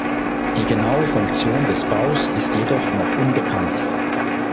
Die genaue Funktion des Baus ist jedoch noch unbekannt.